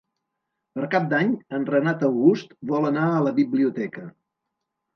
Per Cap d'Any en Renat August vol anar a la biblioteca.